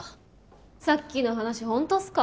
さっきの話本当っすか？